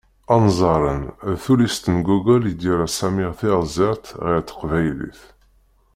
"Anzaren", d tullist n Gogol i d-yerra Samir Tiɣzert ɣer teqbaylit.